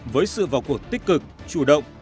với sự vào cuộc tích cực chủ động